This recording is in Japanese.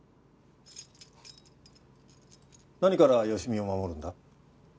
何から好美を守るんだ？